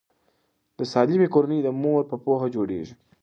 د سالمې کورنۍ د مور په پوهه جوړیږي.